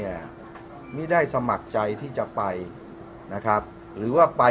อ๋อขออนุญาตเป็นในเรื่องของการสอบสวนปากคำแพทย์ผู้ที่เกี่ยวข้องให้ชัดแจ้งอีกครั้งหนึ่งนะครับ